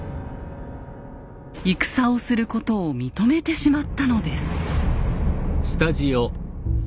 戦をすることを認めてしまったのです。